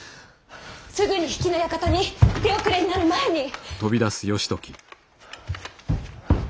すぐに比企の館に手遅れになる前に！